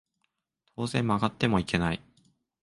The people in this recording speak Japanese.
当然曲がってもいけない